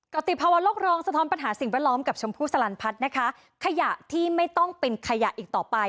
ติภาวะโลกรองสะท้อนปัญหาสิ่งแวดล้อมกับชมพู่สลันพัฒน์นะคะขยะที่ไม่ต้องเป็นขยะอีกต่อไป